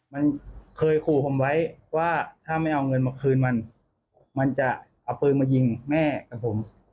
มันเคยขู่ผมไว้ว่าถ้าไม่เอาเงินมาคืนมันมันจะเอาปืนมายิงแม่กับผม